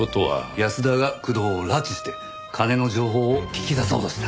安田が工藤を拉致して金の情報を聞き出そうとした？